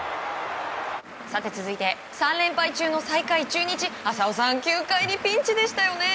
続いて３連敗中の最下位、中日浅尾さん９回にピンチでしたね。